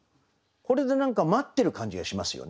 これで何か待ってる感じがしますよね。